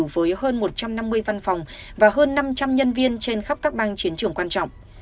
với hơn một trăm năm mươi văn phòng và hơn năm trăm linh nhân viên trên khắp các bang chiến trường quan trọng